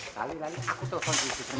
lalu lalu aku setelah setelah ngisi ngisi